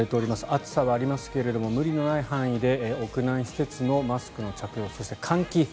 暑さはありますが無理のない範囲で屋内施設のマスクの着用そして換気。